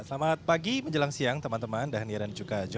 selamat pagi menjelang siang teman teman